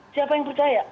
siapa yang percaya